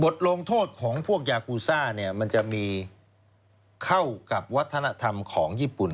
ลงโทษของพวกยากูซ่าเนี่ยมันจะมีเข้ากับวัฒนธรรมของญี่ปุ่น